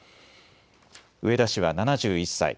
植田氏は７１歳。